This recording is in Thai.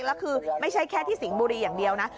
แล้วคือไม่ใช่แค่ที่สิงห์บุรีอย่างเดียวนะ